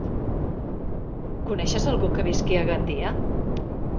Coneixes algú que visqui a Gandia?